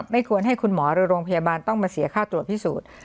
ไม่ควรให้คุณหมอหรือโรงพยาบาลต้องมาเสียค่าตรวจพิสูจน์